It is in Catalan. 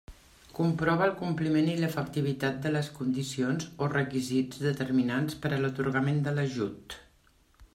Comprova el compliment i l'efectivitat de les condicions o requisits determinants per a l'atorgament de l'ajut.